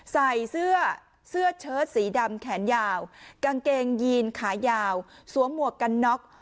ใส่เสื้อเสื้อเชิดสีดำแขนยาวกางเกงยีนขายาวสวมหมวกกันน็อก